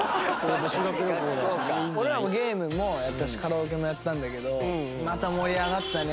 俺らもゲームもやったしカラオケもやったんだけどまた盛り上がったね。